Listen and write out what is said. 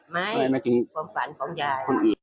ไม่ความฝันของอาญาย